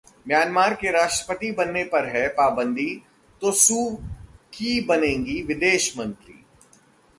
Myanmar की राष्ट्रपति बनने पर है पाबंदी तो सू की बनेंगी विदेशमंत्री